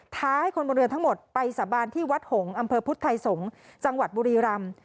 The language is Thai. ให้คนบนเรือทั้งหมดไปสาบานที่วัดหงษ์อำเภอพุทธไทยสงศ์จังหวัดบุรีรำ